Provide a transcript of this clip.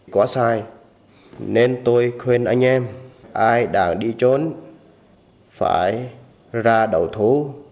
quá sai nên tôi khuyên anh em ai đang đi trốn phải ra đầu thú